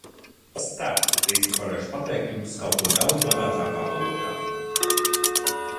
Es ceru, ka drīz es varēšu pateikt jums kaut ko daudz bagātākā valodā.